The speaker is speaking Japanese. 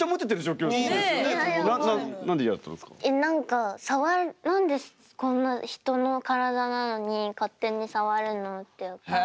え何か何でこんな人の体なのに勝手に触るのって。